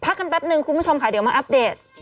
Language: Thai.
อ่ะพักกันแป๊บนึงคุณผู้ชมขายเดี๋ยวมาอัปเดต